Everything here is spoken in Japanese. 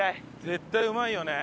絶対うまいよね。